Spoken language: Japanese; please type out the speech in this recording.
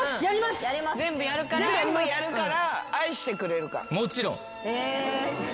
全部やるから愛してくれるか。